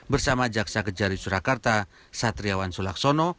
bersama jaksa kejari yogyakarta satriawan sulawesi